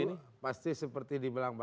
ya itu pasti seperti dibilang pak joko